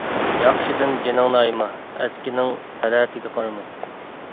ياخشىدىن جېنىڭنى ئايىما، ئەسكىنىڭ تەلەتىگە قارىما.